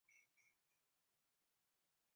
陆军大将军衔。